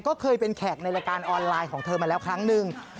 ก็เคยเป็นแขกในรายการออนไลน์ของเธอมาแล้วครั้งหนึ่ง